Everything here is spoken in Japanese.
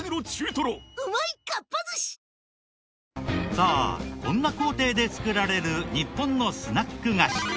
さあこんな工程で作られる日本のスナック菓子。